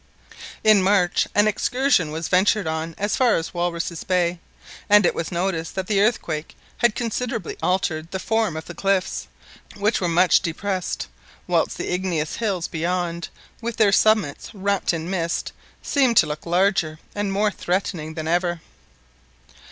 In March an excursion was ventured on as far as Walruses' Bay and it was noticed that the earthquake had considerably altered the form of the cliffs, which were much depressed; whilst the igneous hills beyond, with their summits wrapped in mist, seemed to look larger and more threatening than ever.